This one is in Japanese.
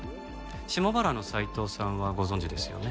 下原の斉藤さんはご存じですよね？